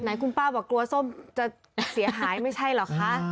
คุณป้าบอกกลัวส้มจะเสียหายไม่ใช่เหรอคะ